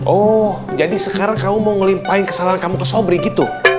oh jadi sekarang kamu mau melimpahin kesalahan kamu ke sobri gitu